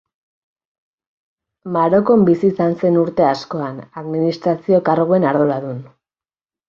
Marokon bizi izan zen urte askoan, administrazio-karguen arduradun.